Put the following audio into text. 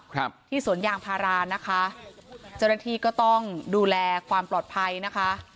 ครับที่สวนยางพารานะคะเจ้าหน้าที่ก็ต้องดูแลความปลอดภัยนะคะ